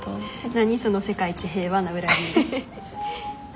何その世界一平和な裏切り。